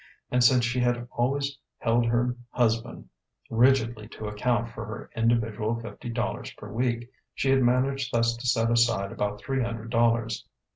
And since she had always held her husband rigidly to account for her individual fifty dollars per week, she had managed thus to set aside about three hundred dollars.